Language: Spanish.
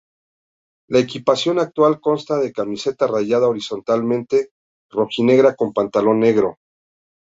La equipación actual consta de camiseta rayada horizontalmente rojinegra con pantalón negro.